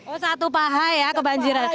oh satu paha ya kebanjiran